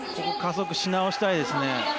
加速しなおしたいですね。